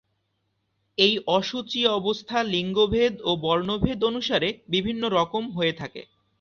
এই অশুচি অবস্থা লিঙ্গভেদ ও বর্ণভেদ অনুসারে বিভিন্ন রকম হয়ে থাকে।